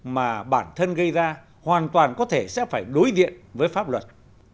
mà bản thân gây ra hoàn toàn có thể sẽ phải đối diện với pháp luật